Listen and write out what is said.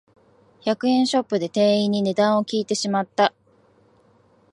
百円ショップで店員に値段を聞いてしまった